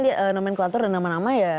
ya kami lihat nomenklatur dan nama nama ya